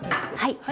はい。